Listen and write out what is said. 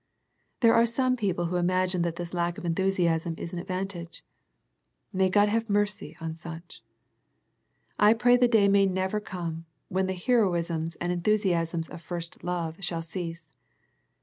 There are some peo ple who imagine that this lack of enthusiasm is an advantage. May God have mercy on such. I pray the day may never come when the hero isms and enthusiasms of first love shall cease.